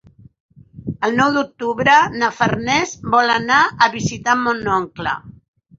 El nou d'octubre na Farners vol anar a visitar mon oncle.